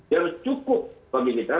yang cukup bagi kita